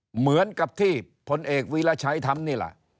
เหมือนกับที่พลเอกวีรชัยทำนี่แหละ